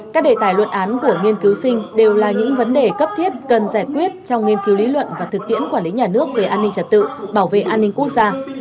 các đề tài luận án của nghiên cứu sinh đều là những vấn đề cấp thiết cần giải quyết trong nghiên cứu lý luận và thực tiễn quản lý nhà nước về an ninh trật tự bảo vệ an ninh quốc gia